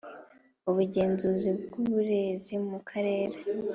Umugenzuzi w Uburezi mu Karere